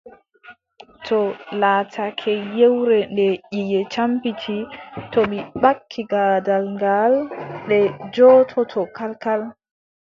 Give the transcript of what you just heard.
To laatake yewre nde ƴiƴe campiti, to mi ɓakki gaadal ngaal, ɗe njoototoo kalkal.